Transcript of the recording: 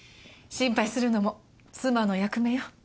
心配するのも妻の役目よ